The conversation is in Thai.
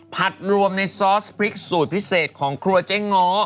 รวมในซอสพริกสูตรพิเศษของครัวเจ๊ง้อ